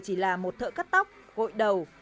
chỉ là một thợ cắt tóc gội đầu